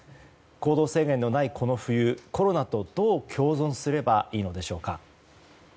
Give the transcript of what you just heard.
行動制限のないこの冬コロナとどう共存すればいいのでしょうか。